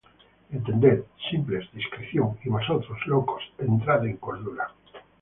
Entended, simples, discreción; Y vosotros, locos, entrad en cordura.